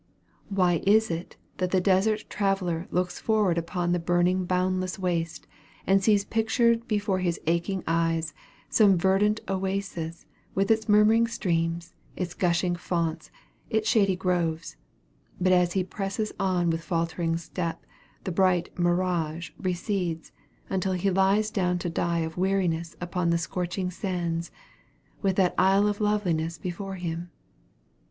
Why is it that the desert traveller looks forward upon the burning boundless waste, and sees pictured before his aching eyes, some verdant oasis, with its murmuring streams, its gushing founts, and shadowy groves but as he presses on with faltering step, the bright mirage recedes, until he lies down to die of weariness upon the scorching sands, with that isle of loveliness before him?